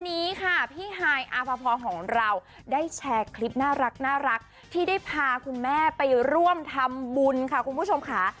วันนี้ค่ะพี่ฮายอาภพรของเราได้แชร์คลิปน่ารักที่ได้พาคุณแม่ไปร่วมทำบุญค่ะคุณผู้ชมค่ะ